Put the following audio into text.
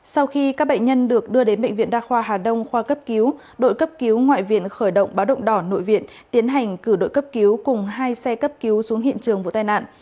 sau khi các bệnh nhân được đưa đến bệnh viện đa khoa hà đông khoa cấp cứu đội cấp cứu ngoại viện khởi động báo động đỏ nội viện tiến hành cử đội cấp cứu cùng hai xe cấp cứu xuống hiện trường vụ tai nạn